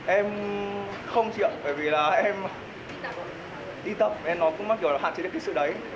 em không chịu bởi vì là em đi tập em nói cũng mắc kiểu là hạn chế được cái sự đấy